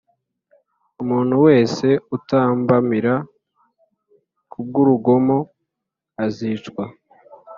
Umuntu wese utambamira ku bw urugomo azicwe